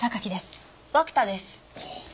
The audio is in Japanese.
涌田です。